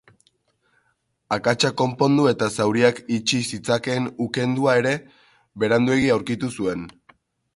Akatsak konpondu eta zauriak itxi zitzakeen ukendua ere, beranduegi aurkitu zuen.